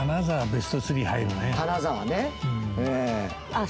金沢ね。